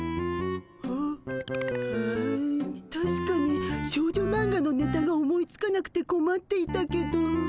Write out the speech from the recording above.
あううたしかに少女マンガのネタが思いつかなくてこまっていたけど。